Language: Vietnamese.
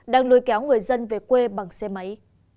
đang nuôi kéo người dân về quê bằng xe máy